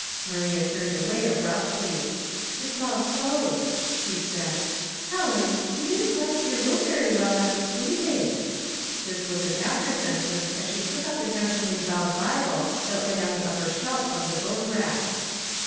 Maria turned away abruptly. " It's all clothes," she said. " Helen, you didn't dust your room very well after sweeping." This was an after sentence as she took up the hand somely bound Bible that lay on the upper shelf of the book rack.